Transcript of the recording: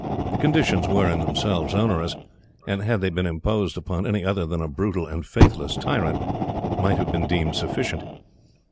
The conditions were, in themselves, onerous, and had they been imposed upon any other than a brutal and faithless tyrant, might have been deemed sufficient.